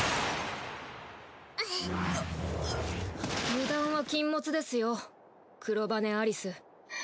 油断は禁物ですよ黒羽アリス。